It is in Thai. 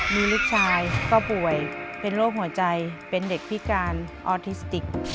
มีลูกชายก็ป่วยเป็นโรคหัวใจเป็นเด็กพิการออทิสติก